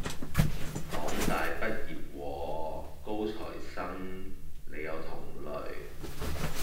港大畢業喎，高材生，你有同類